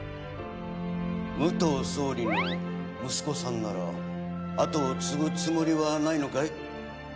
武藤総理の息子さんなら後を継ぐつもりはないのかい？